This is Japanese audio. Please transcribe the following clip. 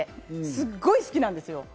すごい好きなんですよ。